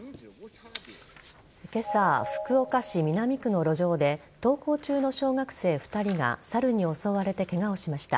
今朝、福岡市南区の路上で登校中の小学生２人がサルに襲われてケガをしました。